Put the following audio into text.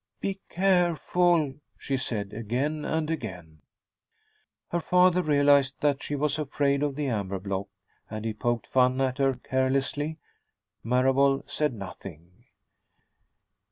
"Be careful," she said, again and again. Her father realized that she was afraid of the amber block, and he poked fun at her ceaselessly. Marable said nothing.